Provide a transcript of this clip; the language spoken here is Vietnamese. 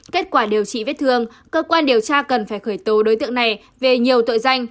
kết quả điều trị vết thương cơ quan điều tra cần phải khởi tố đối tượng này về nhiều tội danh